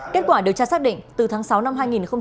kết quả điều tra xác định từ tháng sáu năm hai nghìn một mươi bảy